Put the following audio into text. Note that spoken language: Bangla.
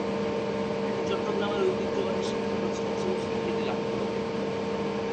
এটি চট্টগ্রামের ঐতিহ্যবাহী শিক্ষাপ্রতিষ্ঠান হিসেবে স্বীকৃতি লাভ করে।